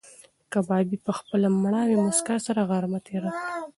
کبابي په خپله مړاوې موسکا سره غرمه تېره کړه.